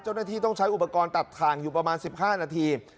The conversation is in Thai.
เจ้าหน้าที่ต้องใช้อุปกรณ์ตัดทางอยู่ประมาณ๑๕นาที